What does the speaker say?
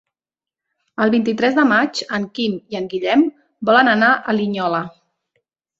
El vint-i-tres de maig en Quim i en Guillem volen anar a Linyola.